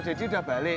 dia udah balik